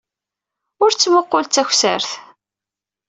Ur ttmuqqul d takessart.